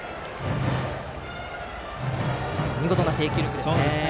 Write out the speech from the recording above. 見事な制球力ですね。